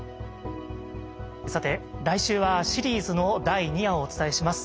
さて来週はシリーズの第二夜をお伝えします。